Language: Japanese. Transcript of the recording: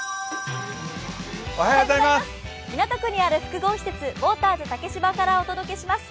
港区にある複合施設、ウォーターズ竹芝からお伝えします。